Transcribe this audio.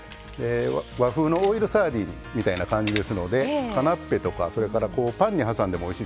和風のオイルサーディンみたいな感じですのでカナッペとかそれからパンに挟んでもおいしいです。